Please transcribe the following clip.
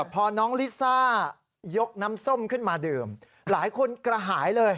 พอน้องลิซ่ายกน้ำส้มขึ้นมาดื่มหลายคนกระหายเลย